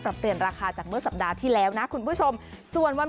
เปลี่ยนราคาจากเมื่อสัปดาห์ที่แล้วนะคุณผู้ชมส่วนวัน